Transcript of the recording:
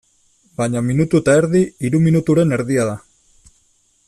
Baina minutu eta erdi, hiru minuturen erdia da.